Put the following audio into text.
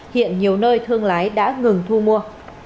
hiện nhiều nơi thương lái đã ngừng thu mua